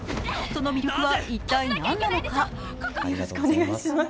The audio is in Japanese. その魅力は一体何なのか。